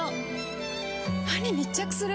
歯に密着する！